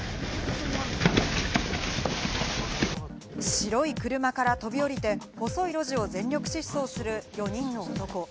白い車から飛び降りて、細い路地を全力疾走する４人の男。